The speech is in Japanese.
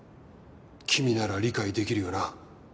君なら理解できるよな？